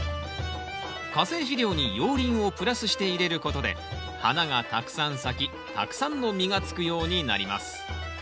化成肥料に熔リンをプラスして入れることで花がたくさん咲きたくさんの実がつくようになります。